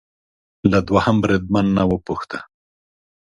له دوهم بریدمن نه وپوښته